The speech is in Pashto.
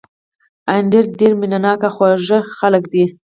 اندړ ډېر مېنه ناک او خواږه خلک دي